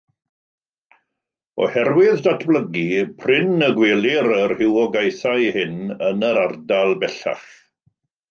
Oherwydd datblygu, prin y gwelir y rhywogaethau hyn yn yr ardal bellach.